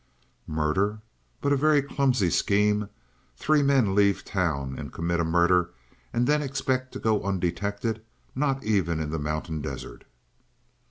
"Murder, but a very clumsy scheme. Three men leave town and commit a murder and then expect to go undetected? Not even in the mountain desert!"